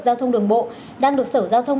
giao thông đường bộ đang được sở giao thông